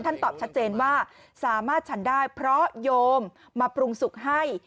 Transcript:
ตอบชัดเจนว่าสามารถฉันได้เพราะโยมมาปรุงสุกให้